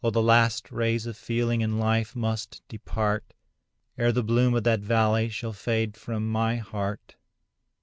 the last rays of feeling and life must depart, Ere the bloom of that valley shall fade from my heart.